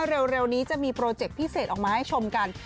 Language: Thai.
เร็วนี้จะมีโปรเจคพิเศษออกมาให้ชมกัน